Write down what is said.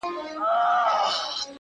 چي فکرونه د نفاق پالي په سر کي-